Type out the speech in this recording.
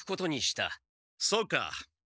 そうか。